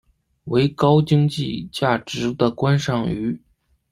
为高经济价值的观赏鱼。